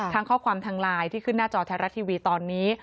ข้อความทางไลน์ที่ขึ้นหน้าจอไทยรัฐทีวีตอนนี้